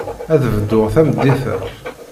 Ad bduɣ tameddit-a.